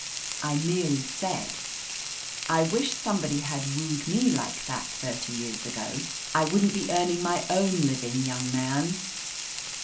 I merely said : "I wish somebody had wooed me like that thirty years ago. I wouldn't be earning my own living, young man."